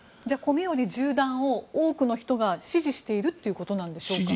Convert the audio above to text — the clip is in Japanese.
米より銃弾を多くの人が支持しているということでしょうか。